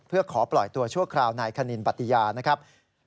เพื่อขอปล่อยตัวชั่วคราวนายคณินปฏิญานะครับ